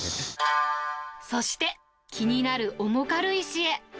そして、気になる重軽石へ。